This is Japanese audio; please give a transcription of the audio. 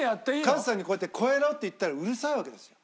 カズさんにこうやって「超えろ」って言ったらうるさいわけですよ。